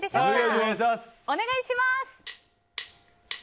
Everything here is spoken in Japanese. お願いします！